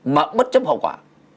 mà bất chấp hậu quả